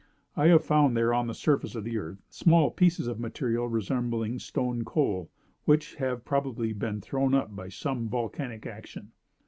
I have found there, on the surface of the earth, small pieces of material resembling stone coal, which have probably been thrown up by some volcanic action.